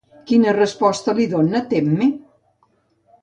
Quina resposta li dona Temme?